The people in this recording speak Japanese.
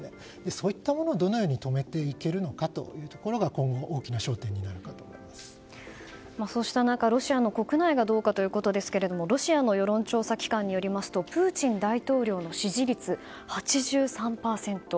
そういったものをどのように止めていけるのかが今後の大きな焦点になるかとそうした中、ロシアの国内がどうかということですがロシアの世論調査機関によりますとプーチン大統領の支持率は８３％。